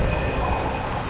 ya makasih ya